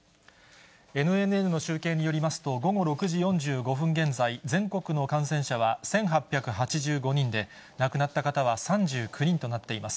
ＮＮＮの集計によりますと、午後６時４５分現在、全国の感染者は１８８５人で、亡くなった方は３９人となっています。